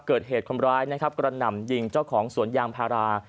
เกิดเหตุคนร้ายนะครับกระหน่ำยิงเจ้าของสวนยางพารา